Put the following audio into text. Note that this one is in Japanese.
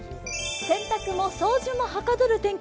洗濯も掃除もはかどる天気。